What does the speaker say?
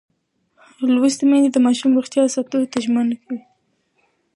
لوستې میندې د ماشوم روغتیا ساتلو ته ژمنه ده.